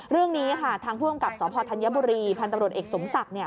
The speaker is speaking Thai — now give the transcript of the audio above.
เรื่องนี้ค่ะทางผู้อำกับสพธัญบุรีพันธ์ตำรวจเอกสมศักดิ์เนี่ย